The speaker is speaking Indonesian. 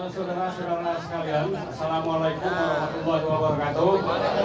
saudara saudara sekalian assalamualaikum warahmatullahi wabarakatuh